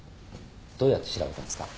どうやって調べたんですか？